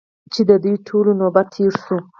چې د دوی ټولو نوبت تېر شو.